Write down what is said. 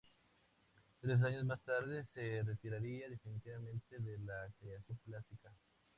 Tres años más tarde se retiraría definitivamente de la creación plástica.